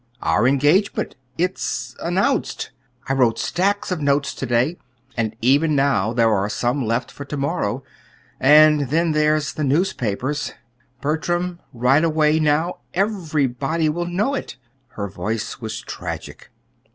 "Our engagement. It's announced. I wrote stacks of notes to day, and even now there are some left for to morrow. And then there's the newspapers. Bertram, right away, now, everybody will know it." Her voice was tragic.